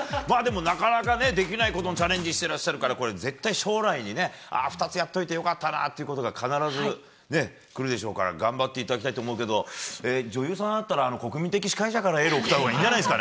なかなかできないことにチャレンジしていらっしゃるから絶対、将来２つやっておいて良かったなということが必ず来るでしょうから頑張っていただきたいと思うけど女優さんだったら国民的司会者からエールを送ったほうがいいんじゃないですか。